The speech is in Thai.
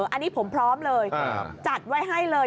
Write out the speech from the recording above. อันนี้ผมพร้อมเลยจัดไว้ให้เลย